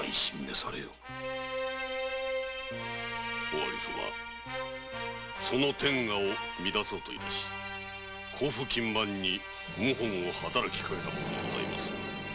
尾張様その天下を乱そうと致し甲府勤番に謀反を働きかけた者がございます。